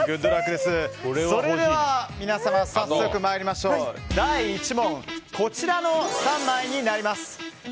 それでは皆様、早速第１問こちらの３枚になります。